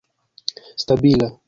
stabila